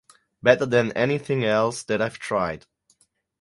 Better than anything else that I’ve tried“.